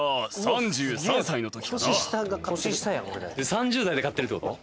３０代で買ってるってこと？